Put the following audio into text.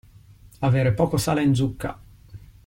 Aver poco sale in zucca.